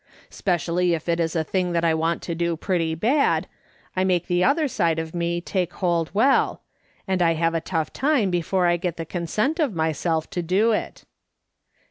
Specially if it is a thing that I want to do pretty bad, I make the other side 2o8 MRS. SOLOMON SMITH LOOKING ON. of me take hold well, and I have a tough time before I get the consent of myself to do it.